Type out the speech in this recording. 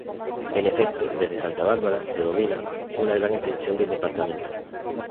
En efecto desde Santa Bárbara se domina una gran extensión del departamento.